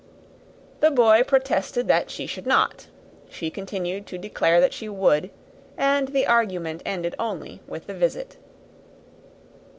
The boy protested that she should not; she continued to declare that she would; and the argument ended only with the visit.